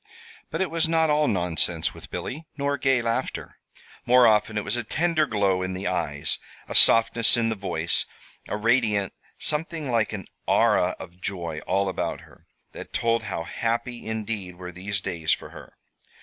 But it was not all nonsense with Billy, nor gay laughter. More often it was a tender glow in the eyes, a softness in the voice, a radiant something like an aura of joy all about her, that told how happy indeed were these days for her.